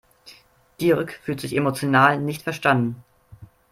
Dirk fühlt sich emotional nicht verstanden.